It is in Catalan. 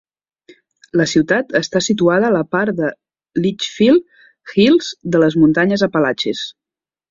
La ciutat està situada a la part de Litchfield Hills de les Muntanyes Apalatxes.